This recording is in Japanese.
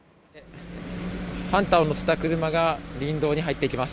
ハンターを乗せた車が林道に入っていきます。